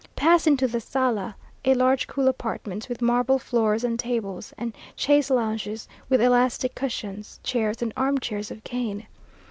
Pass into the Sala, a large cool apartment, with marble floor and tables, and chaise longues with elastic cushions, chairs, and arm chairs of cane.